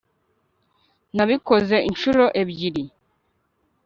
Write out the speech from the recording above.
nabikoze inshuro ebyiri